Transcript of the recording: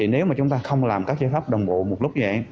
nếu chúng ta không làm các giải pháp đồng bộ một lúc như vậy